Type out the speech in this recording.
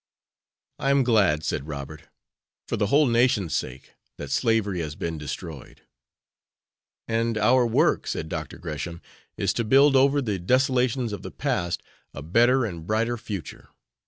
"I am glad," said Robert, "for the whole nation's sake, that slavery has been destroyed." "And our work," said Dr. Gresham, "is to build over the desolations of the past a better and brighter future.